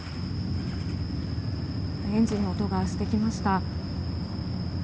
エンジンの音がしてきました。